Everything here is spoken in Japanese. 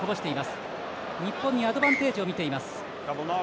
日本にアドバンテージをみています。